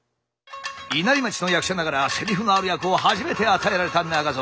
稲荷町の役者ながらセリフのある役を初めて与えられた中蔵。